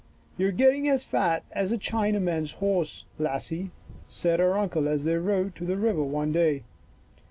" You are getting as fat as a Chinaman's 60 Lost!" 6 1 horse, lassie," said her uncle as they rode to the river one day.